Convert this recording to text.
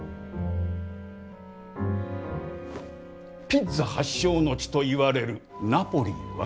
ピッツァ発祥の地といわれるナポリは？